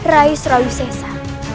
rai surawi sesa